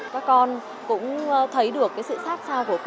các con cũng thấy được cái sự xác xao của cô